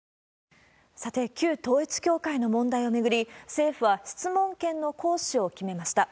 さて、旧統一教会の問題を巡り、政府は質問権の行使を決めました。